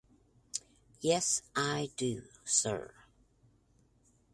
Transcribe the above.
Yes, I do, sir.